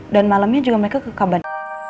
dan malamnya juga mereka kekabar